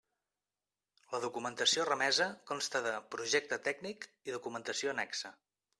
La documentació remesa consta de: projecte tècnic i documentació annexa.